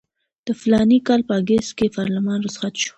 د فلاني کال په اګست کې پارلمان رخصت شو.